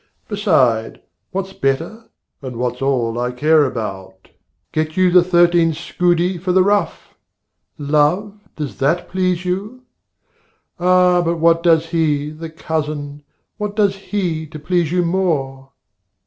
Beside, What's better and what's all I care about, Get you the thirteen scudi for the ruff! Love, does that please you? Ah, but what does he, The Cousin! what does he to please you more?